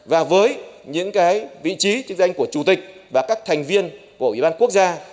và với những vị trí chức danh của chủ tịch và các thành viên của ủy ban quốc gia